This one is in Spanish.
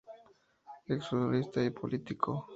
Ex futbolista y político.